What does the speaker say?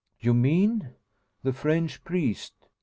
"You mean ?" "The French priest.